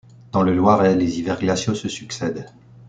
Dans le Loiret, les hivers glaciaux se succèdent.